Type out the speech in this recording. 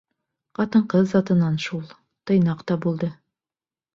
Ҡатын-ҡыҙ затынан шул, тыйнаҡ та булды.